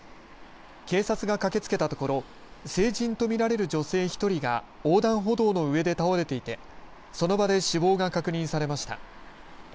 警察が駆けつけたところ成人と見られる女性１人が横断歩道の上で倒れていてその場で死亡が確認されました。